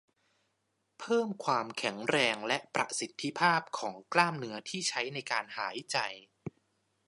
เพิ่มความแข็งแรงและประสิทธิภาพของกล้ามเนื้อที่ใช้ในการหายใจ